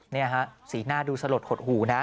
นี่ฮะสีหน้าดูสลดหดหูนะ